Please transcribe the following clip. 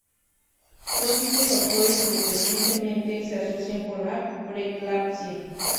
Todos estos factores, independientemente, se asocian con la preeclampsia.